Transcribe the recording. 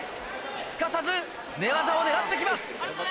すかさず寝技を狙って来ます。